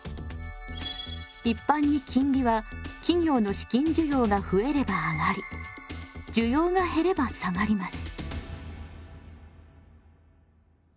一般に金利は企業の資金需要が増えれば上がり需要が減れば下がります。